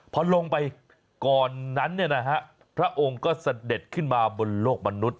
พอลงไปก่อนนั้นพระองค์ก็เสด็จขึ้นมาบนโลกมนุษย